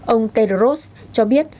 ông tedros cho biết